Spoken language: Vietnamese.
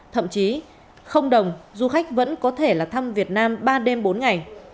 thậm chí không đồng du khách vẫn có thể là thăm việt nam ba đêm bốn ngày